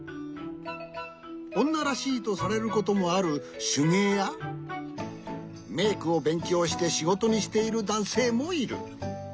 おんならしいとされることもあるしゅげいやメークをべんきょうしてしごとにしているだんせいもいる。